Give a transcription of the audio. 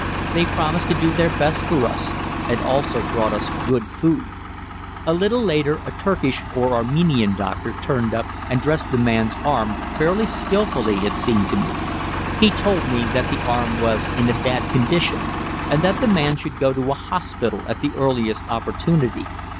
They promised to do their best for us, and also brought us good food. A little later a Turkish or Armenian doctor turned up and dressed the man's arm, fairly skilfully it seemed to me. He told me that the arm was in a bad condition, and that the man should go to a hospital at the earliest opportunity.